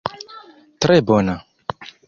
Tre bona.